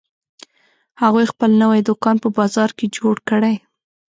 هغوی خپل نوی دوکان په بازار کې جوړ کړی